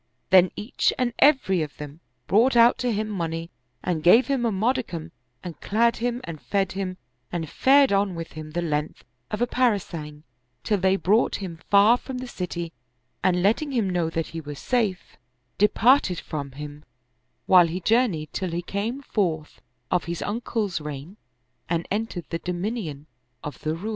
Then each and every of them brought out to him money and gave him a modicum and clad him and fed him and fared on with him the length of a parasang, till they brought him far from the city, and letting him know that he was safe, de parted from him, while he journeyed till he came forth of his uncle's reign and entered the dominion of the Roum.